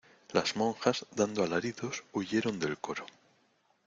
las monjas, dando alaridos , huyeron del coro.